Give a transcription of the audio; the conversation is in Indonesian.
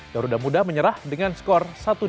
garuda muda menyerah dengan skor satu dua